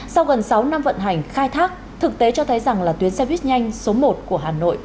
sau gần sáu năm vận hành khai thác thực tế cho thấy rằng là tuyến xe buýt nhanh số một của hà nội